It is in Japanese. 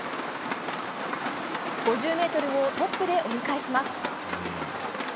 ５０ｍをトップで折り返します。